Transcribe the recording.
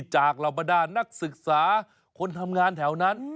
เหล่าบรรดานักศึกษาคนทำงานแถวนั้น